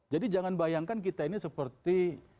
jadi jangan bayangkan kita ini seperti